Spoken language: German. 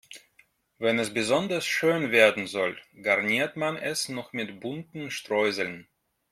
Wenn es besonders schön werden soll, garniert man es noch mit bunten Streuseln.